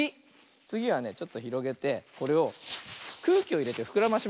つぎはねちょっとひろげてこれをくうきをいれてふくらまします。